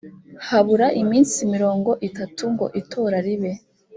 habura iminsi mirongo itatu ngo itora ribe